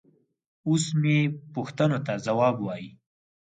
اوس مې پوښتنو ته ځواب وايي.